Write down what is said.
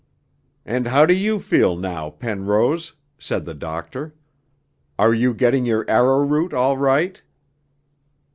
'And how do you feel now, Penrose?' said the doctor. 'Are you getting your arrow root all right?'